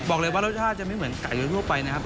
บอกเลยว่ารสชาติจะไม่เหมือนไก่ทั่วไปนะครับ